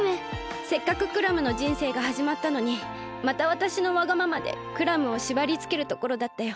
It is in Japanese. せっかくクラムのじんせいがはじまったのにまたわたしのわがままでクラムをしばりつけるところだったよ。